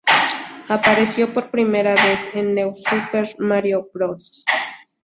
Apareció por primera vez en New Super Mario Bros.